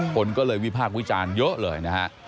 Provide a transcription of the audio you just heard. คนก็เลยวิพากษ์วิจารณ์เยอะเลยนะฮะ